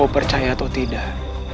mau percaya atau tidak